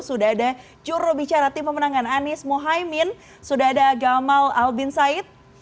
sudah ada jurubicara tim pemenangan anies mohaimin sudah ada gamal albin said